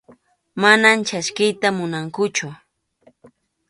Mana chaskiyta munankuchu.